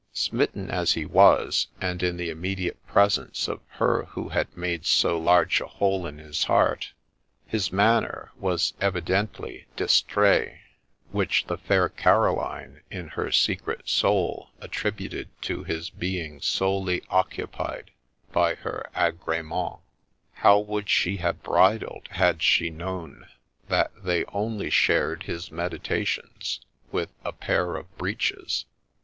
Smitten as he was, and in the immediate presence of her who had made so large a hole in his heart, his manner was evidently distrait, which the fair Caroline in her secret soul attributed to his being solely occupied by her agremens : how would she have bridled had she known that they only shared his meditations with a pair of breeches